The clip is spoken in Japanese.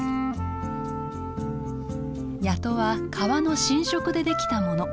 谷戸は川の浸食でできたもの。